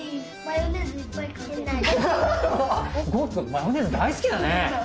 マヨネーズ大好きだね。